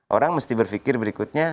orang mesti berpikir berikutnya